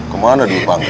kemana dia pangga